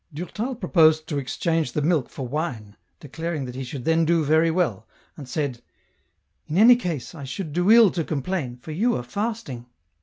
Durtal proposed to exchange the milk for wine, declaring that he should then do very well, and said, *' In any case I should do ill to complain, for you are fasting."